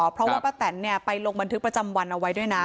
เพราะว่าป้าแตนไปลงบันทึกประจำวันเอาไว้ด้วยนะ